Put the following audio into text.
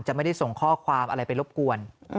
ไม่ได้ส่งข้อความอะไรไปรบกวน